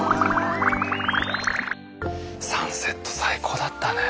サンセット最高だったね。